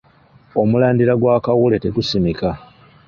Omulandira gwa kawule tegusimika.